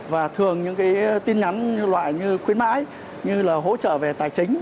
và thường những cái tin nhắn loại như khuyến mãi như là hỗ trợ về tài chính